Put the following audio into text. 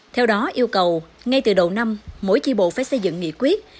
theo đó yêu cầu ngay từ đầu năm mỗi chi bộ phải xây dựng nghị quyết